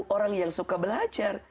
orang yang suka belajar